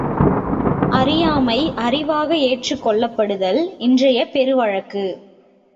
அறியாமை அறிவாக ஏற்றுக் கொள்ளப்படுதல் இன்றைய பெரு வழக்கு.